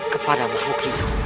kepada makhluk hidup